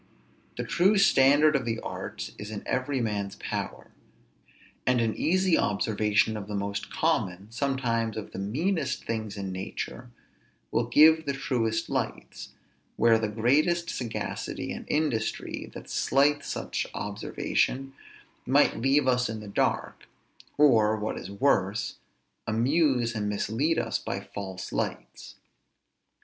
The true standard of the arts is in every man's power; and an easy observation of the most common, sometimes of the meanest things in nature, will give the truest lights, where the greatest sagacity and industry, that slights such observation, must leave us in the dark, or, what is worse, amuse and mislead us by false lights.